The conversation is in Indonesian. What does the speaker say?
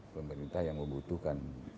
pemerintah yang membutuhkan